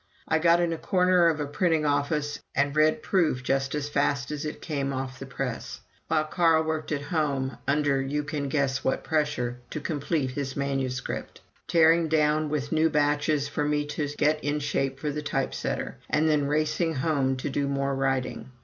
I got in a corner of a printing office and read proof just as fast as it came off the press, while Carl worked at home, under you can guess what pressure, to complete his manuscript tearing down with new batches for me to get in shape for the type setter, and then racing home to do more writing.